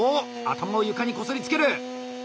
頭を床にこすりつける！